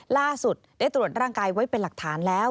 ล่าสุดได้ตรวจร่างกายไว้เป็นหลักฐานแล้ว